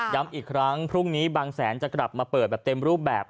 อีกครั้งพรุ่งนี้บางแสนจะกลับมาเปิดแบบเต็มรูปแบบ